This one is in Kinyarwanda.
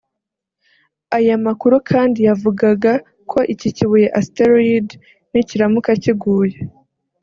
Aya makuru kandi yavugaga ko iki kibuye (Asteroid) ni kiramuka kiguye